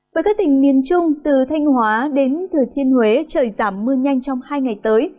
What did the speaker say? với các tỉnh miền trung từ thanh hóa đến thừa thiên huế trời giảm mưa nhanh trong hai ngày tới